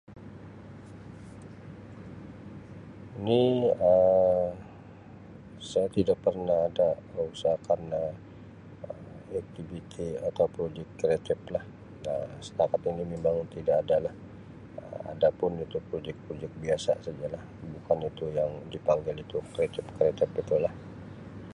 Ni Um saya tidak pernah ada mengusahakan aktiviti atau pun [unintelligible] kreatif lah setakat ini memang tidak ada lah. Um Ada pun itu projek-projek biasalah bukan itu [unintelligible]